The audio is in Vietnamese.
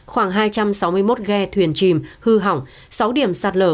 khoảng hai trăm sáu mươi một ghe thuyền chìm hư hỏng sáu điểm sạt lở